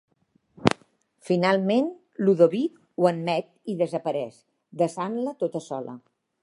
Finalment, Ludovic ho admet i desapareix, deixant-la tota sola.